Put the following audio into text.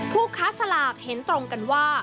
ผู้ค้าสลากเห็นตรงกันว่า